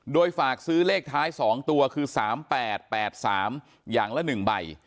โดยฝากซื้อเลขท้าย๒ตัวคือ๓๘๘๓อย่างละ๑ใบ